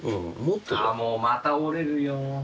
ああもうまた折れるよ。